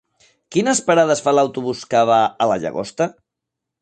Quines parades fa l'autobús que va a la Llagosta?